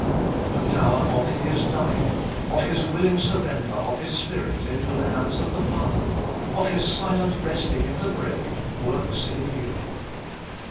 The power of His dying, of His willing surrender of His spirit into the hands of the Father, of His silent resting in the grave, works in you.